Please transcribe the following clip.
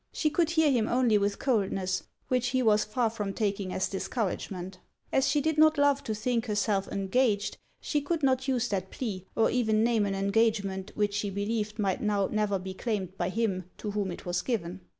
She could hear him only with coldness; which he was far from taking as discouragement. As she did not love to think herself engaged, she could not use that plea, or even name an engagement which she believed might now never be claimed by him to whom it was given.